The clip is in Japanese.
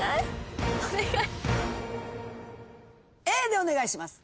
Ａでお願いします。